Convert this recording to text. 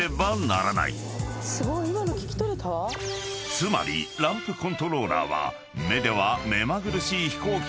［つまりランプコントローラーは］